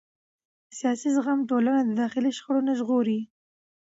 سیاسي زغم ټولنه د داخلي شخړو نه ژغوري